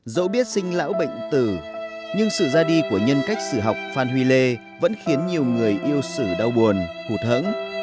dẫu biết sinh lão bệnh tử nhưng sự ra đi của nhân cách sử học phan huy lê vẫn khiến nhiều người yêu sử đau buồn hụt hẫng